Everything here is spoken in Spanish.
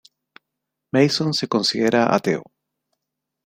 Mason se considera ateo.